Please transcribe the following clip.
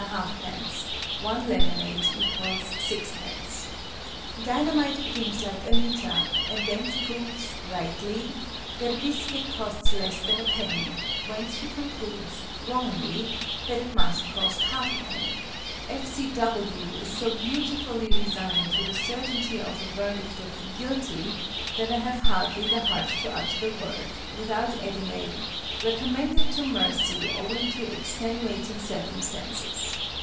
_, 1 lemonade = 6_d._" DINAH MITE begins like ANITA: and thence proves (rightly) that a biscuit costs less than a 1_d._: whence she concludes (wrongly) that it must cost 1/2_d._ F. C. W. is so beautifully resigned to the certainty of a verdict of "guilty," that I have hardly the heart to utter the word, without adding a "recommended to mercy owing to extenuating circumstances."